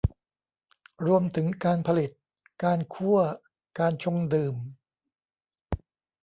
รวมถึงการผลิต การคั่ว การชงดื่ม